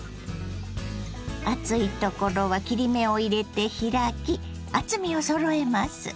厚いところは切り目を入れて開き厚みをそろえます。